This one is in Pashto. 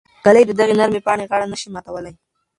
ږلۍ د دغې نرمې پاڼې غاړه نه شي ماتولی.